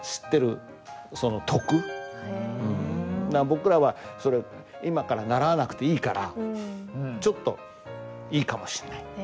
僕らはそれを今から習わなくていいからちょっといいかもしんない。